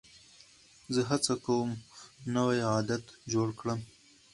زه هڅه کوم نوی عادت جوړ کړم.